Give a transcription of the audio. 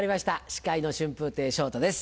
司会の春風亭昇太です。